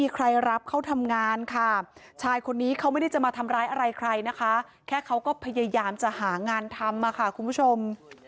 แค่เขาก็พยายามจะหางานทำค่ะคุณผู้ชม